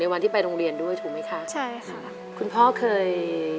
รายการต่อปีนี้เป็นรายการทั่วไปสามารถรับชมได้ทุกวัย